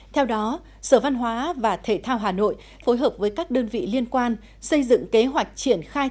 theo đó sở văn hóa và thể thao hà nội phối hợp với các đơn vị liên quan xây dựng kế hoạch triển khai